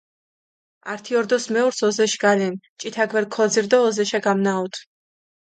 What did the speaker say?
ართი ორდოს მეურს ოზეში გალენი, ჭითა გვერი ქოძირჷ დო ოზეშა გამნაჸოთჷ.